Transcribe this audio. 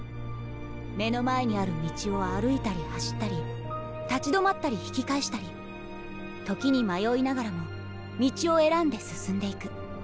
目の前にある道を歩いたり走ったり立ち止まったり引き返したり時に迷いながらも道を選んで進んでいく。